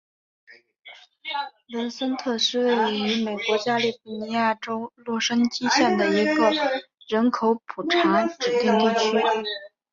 文森特是位于美国加利福尼亚州洛杉矶县的一个人口普查指定地区。